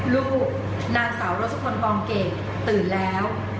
ลูกนางสาวรัชพลกองเกรดตื่นแล้ว